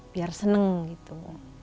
biar seneng gitu